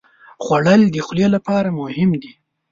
خوړل د خولې لپاره مهم دي